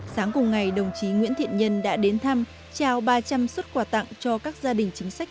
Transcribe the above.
sáng cùng ngày đồng chí nguyễn thiện nhân đã đến thăm trao ba trăm linh xuất quà tặng cho các gia đình chính sách